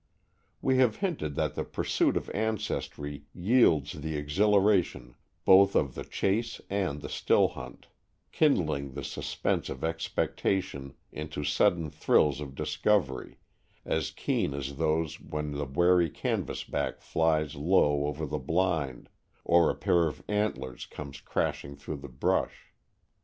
We have hinted that the pursuit of ancestry yields the exhilaration both of the chase and the stillhunt, kindling the suspense of expectation into sudden thrills of discovery, as keen as those when the wary canvas back flies low over the blind, or a pair of antlers comes crashing through the brush.